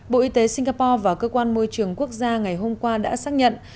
bộ y tế singapore và cơ quan môi trường quốc gia ngày hôm qua đã xác nhận